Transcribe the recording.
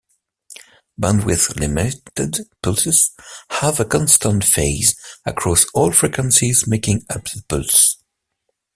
Bandwidth-limited pulses have a constant phase across all frequencies making up the pulse.